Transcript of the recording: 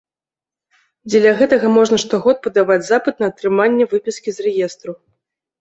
Дзеля гэтага можна штогод падаваць запыт на атрыманне выпіскі з рэестру.